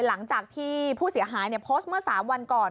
หลังจากที่ผู้เสียหายโพสต์เมื่อ๓วันก่อน